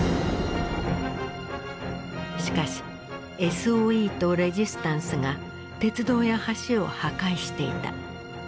しかしＳＯＥとレジスタンスが鉄道や橋を破壊していた。